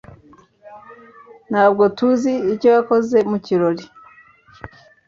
Ntabwo tuzi icyo yakoze mu kirori.